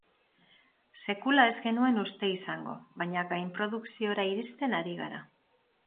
Sekula ez genuen uste izango, baina gainprodukziora iristen ari gara.